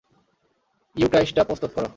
ইউক্রাইস্টটা প্রস্তুত করো।